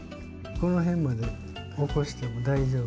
この辺までおこしても大丈夫。